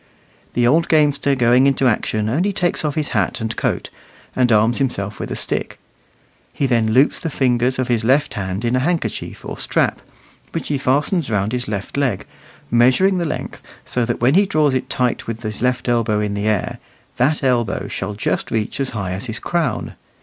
The old gamester going into action only takes off his hat and coat, and arms himself with a stick; he then loops the fingers of his left hand in a handkerchief or strap, which he fastens round his left leg, measuring the length, so that when he draws it tight with his left elbow in the air, that elbow shall just reach as high as his crown.